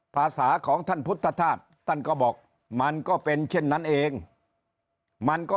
ภาษาของท่านพุทธธาตุท่านก็บอกมันก็เป็นเช่นนั้นเองมันก็